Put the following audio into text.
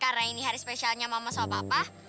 karena ini hari spesialnya mama sama papa